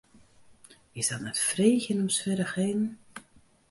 Is dat net freegjen om swierrichheden?